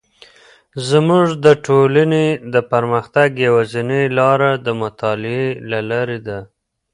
زموږ د ټولنې د پرمختګ یوازینی لاره د مطالعې له لارې ده.